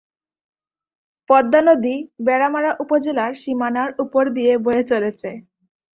পদ্মা নদী ভেড়ামারা উপজেলার সীমানার উপর দিয়ে বয়ে চলেছে।